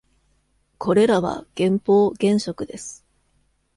これらは「減法」原色です。